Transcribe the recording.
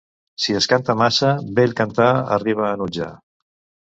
Si es canta massa, bell cantar arriba a enutjar.